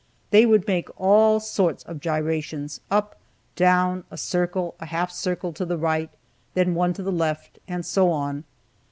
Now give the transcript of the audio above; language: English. They would make all sorts of gyrations, up, down, a circle, a half circle to the right, then one to the left, and so on.